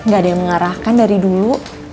gak ada yang mengarahkan dari dulu